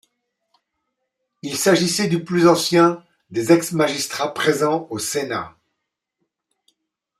Il s’agissait du plus ancien des ex-magistrats présents au Sénat.